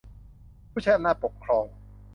ผู้ใช้อำนาจปกครอง